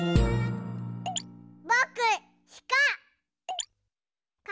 ぼくしか！